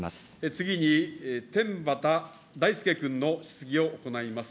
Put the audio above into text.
次に、天畠大輔君の質疑を行います。